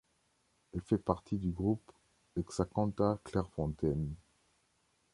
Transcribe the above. Elle fait partie du groupe Exacompta Clairefontaine.